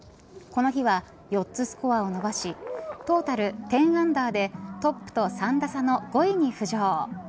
この日は４つスコアを伸ばしトータル、１０アンダーでトップと３打差の５位に浮上。